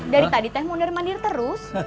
dari tadi teh mundir mandir terus